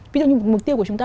ví dụ như mục tiêu của chúng ta